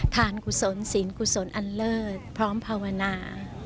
กุศลศีลกุศลอันเลิศพร้อมภาวนา